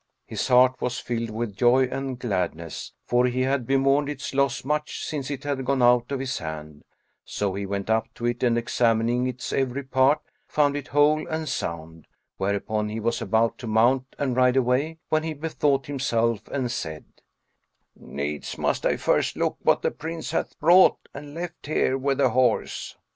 His heart was filled with joy and gladness, for he had bemourned its loss much since it had gone out of his hand: so he went up to it and, examining its every part, found it whole and sound; whereupon he was about to mount and ride away, when he bethought himself and said, "Needs must I first look what the Prince hath brought and left here with the horse."